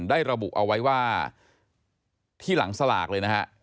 ได้ระบุเอาไว้ว่าที่หลังสลากเลยนะฮะ